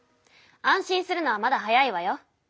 安心するのはまだ早いわよ。